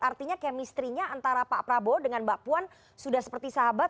artinya kemistrinya antara pak prabowo dengan mbak puan sudah seperti sahabat